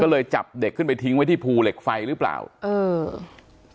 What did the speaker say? ก็เลยจับเด็กขึ้นไปทิ้งไว้ที่ภูเหล็กไฟหรือเปล่าเออ